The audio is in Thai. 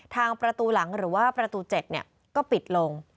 ทางประตูหลังหรือว่าประตู๗ก็ปิดลง